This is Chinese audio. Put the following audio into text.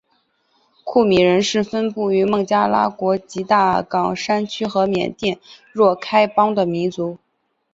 库米人是分布于孟加拉国吉大港山区和缅甸若开邦的民族。